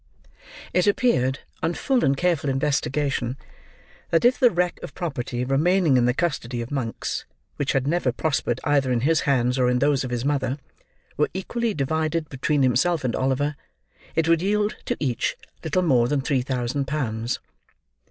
It appeared, on full and careful investigation, that if the wreck of property remaining in the custody of Monks (which had never prospered either in his hands or in those of his mother) were equally divided between himself and Oliver, it would yield, to each, little more than three thousand pounds.